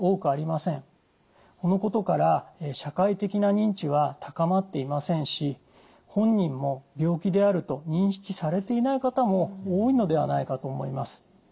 このことから社会的な認知は高まっていませんし本人も病気であると認識されていない方も多いのではないかと思います。